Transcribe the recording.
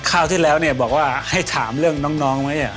คราวที่แล้วเนี่ยบอกว่าให้ถามเรื่องน้องไหม